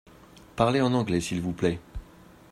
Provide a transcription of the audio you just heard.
Parlez en anglais s’il vous plait.